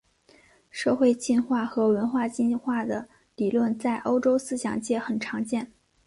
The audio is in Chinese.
社会进化和文化进化的理论在欧洲思想界很常见。